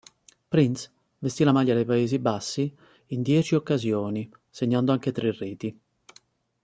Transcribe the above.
Prins vestì la maglia dei Paesi Bassi in dieci occasioni, segnando anche tre reti.